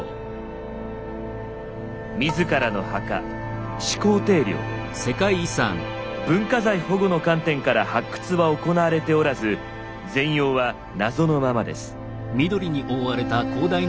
自らの墓文化財保護の観点から発掘は行われておらず全容は謎のままです。